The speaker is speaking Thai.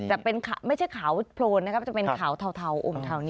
แต่เป็นไม่ใช่ขาวโพรนนะครับจะเป็นขาวเทาอมเทานิดนึง